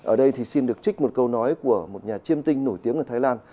ở đây thì xin được trích một câu nói của một nhà chiêm tinh nổi tiếng ở thái lan